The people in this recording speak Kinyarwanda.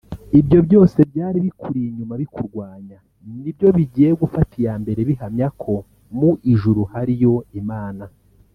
Ibyo byose byari bikuri inyuma bikurwanya ni byo bigiye gufata iya mbere bihamya ko mu ijuru hariyo Imana